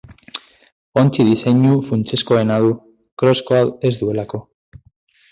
Ontzi-diseinu funtsezkoena du, kroskoa ez duelako.